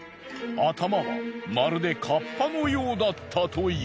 頭はまるでカッパのようだったという。